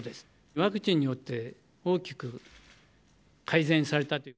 ワクチンによって、大きく改善されたという。